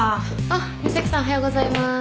あっ岬希さんおはようございます。